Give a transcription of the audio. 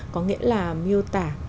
có nghĩa là miêu tả